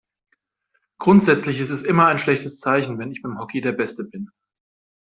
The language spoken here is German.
Grundsätzlich ist es immer ein schlechtes Zeichen, wenn ich beim Hockey der Beste bin.